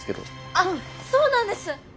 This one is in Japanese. あっそうなんです！